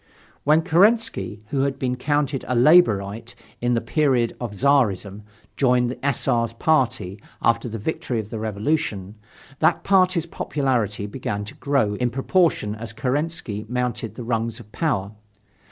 When Kerensky, who had been counted a laborite in the period of Czarism, joined the S. R.'s Party after the victory of the Revolution, that party's popularity began to grow in proportion as Kerensky mounted the rungs of power.